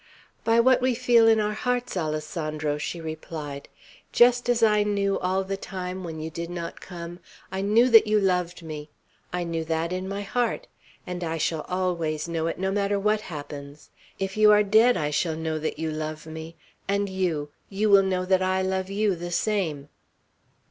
"By what we feel in our hearts, Alessandro," she replied; "just as I knew all the time, when you did not come, I knew that you loved me. I knew that in my heart; and I shall always know it, no matter what happens. If you are dead, I shall know that you love me. And you, you will know that I love you, the same."